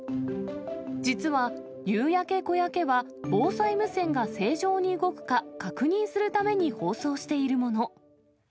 実は、夕焼け小焼けは、防災無線が正常に動くか確認するために放送しているもの。